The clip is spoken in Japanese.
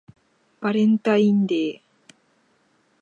バレンタインデー